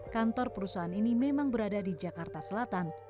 kantor perusahaan ini memang berada di jakarta selatan